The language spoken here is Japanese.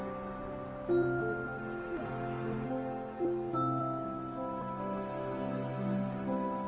うん